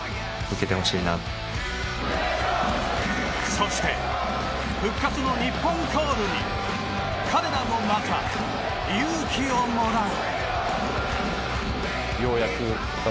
そして、復活の日本コールに彼らもまた勇気をもらう。